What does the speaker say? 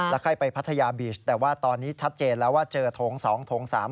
แล้วใครไปพัทยาบีชแต่ว่าตอนนี้ชัดเจนแล้วว่าเจอโถง๒โถง๓